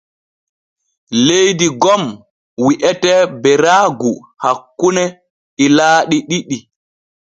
Leydi gom wi’etee Beraagu hakkune ilaaɗi ɗiɗi.